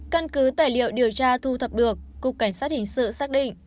căn cứ tài liệu điều tra thu thập được cục cảnh sát hình sự xác định